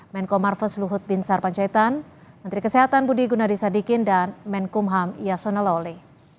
menko marves luhut bin sarpanjaitan menteri kesehatan budi gunadisadikin dan menkumham yasona loli